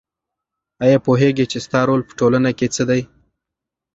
آیا پوهېږې چې ستا رول په ټولنه کې څه دی؟